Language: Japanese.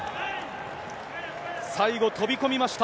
最後、飛び込みました。